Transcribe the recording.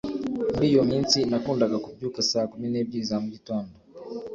muri iyo minsi, nakundaga kubyuka saa kumi n'ebyiri za mu gitondo